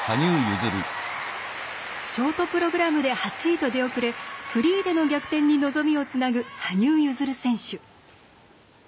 ショートプログラムで８位と出遅れフリーでの逆転に望みをつなぐ羽生結弦選手。